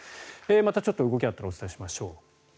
またちょっと動きがあったらお伝えしましょう。